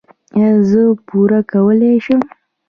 ایا زه پور کولی شم؟